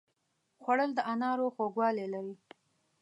خوړل د انارو خوږوالی لري